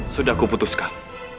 sudah aku memutuskan